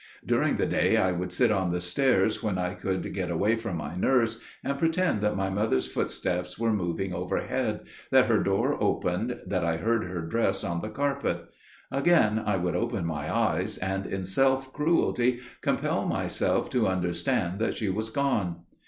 During the day I would sit on the stairs when I could get away from my nurse, and pretend that my mother's footsteps were moving overhead, that her door opened, that I heard her dress on the carpet: again I would open my eyes, and in self cruelty compel myself to understand that she was gone.